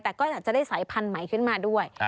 แต่ก็อยากจะได้สายพันธุ์ใหม่ขึ้นมาด้วย